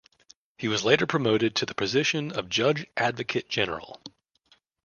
He was later promoted to the position of judge advocate general.